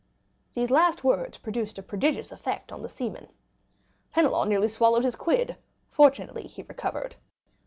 These last words produced a prodigious effect on the seaman. Penelon nearly swallowed his quid; fortunately he recovered.